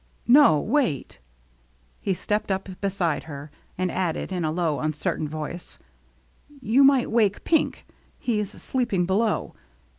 " No, wait." He stepped up beside her, and added, in a low, uncertain voice, " You might wake Pink; he's sleeping below."